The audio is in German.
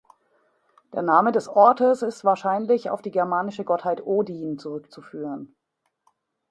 Der Name des Ortes ist wahrscheinlich auf die germanische Gottheit Odin zurückzuführen.